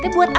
teh buat apa